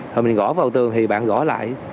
thì mình gõ vào tường thì bạn gõ lại